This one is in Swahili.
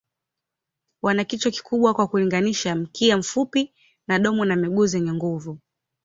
Wana kichwa kikubwa kwa kulinganisha, mkia mfupi na domo na miguu zenye nguvu.